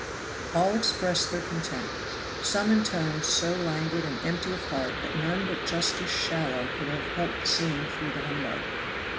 All expressed their content. Some in tones so languid and empty of heart that none but Justice Shallow could have helped seeing through the humbug.